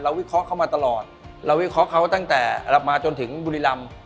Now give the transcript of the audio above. วิเคราะห์เข้ามาตลอดเราวิเคราะห์เขาตั้งแต่เรามาจนถึงบุรีรำ